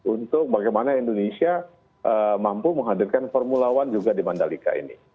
untuk bagaimana indonesia mampu menghadirkan formula one juga di mandalika ini